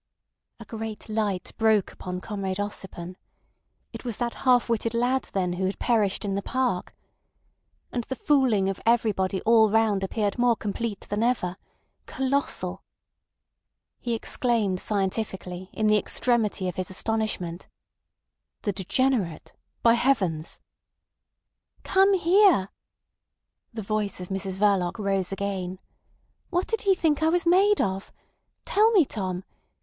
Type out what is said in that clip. A great light broke upon Comrade Ossipon. It was that half witted lad then who had perished in the park. And the fooling of everybody all round appeared more complete than ever—colossal. He exclaimed scientifically, in the extremity of his astonishment: "The degenerate—by heavens!" "Come here." The voice of Mrs Verloc rose again. "What did he think I was made of? Tell me, Tom.